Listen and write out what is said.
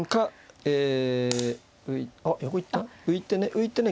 浮いてね